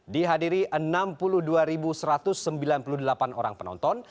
dihadiri enam puluh dua satu ratus sembilan puluh delapan orang penonton